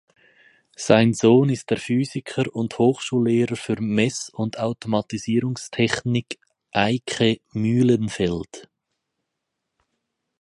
Sein Sohn ist der Physiker und Hochschullehrer für Mess- und Automatisierungstechnik Eike Mühlenfeld.